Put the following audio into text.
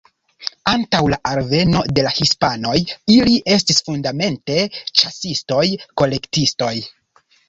Antaŭ la alveno de la hispanoj ili estis fundamente ĉasistoj-kolektistoj.